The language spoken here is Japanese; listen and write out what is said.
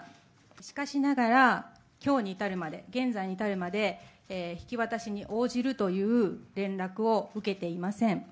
しかしながら、きょうに至るまで、現在に至るまで、引き渡しに応じるという連絡を受けていません。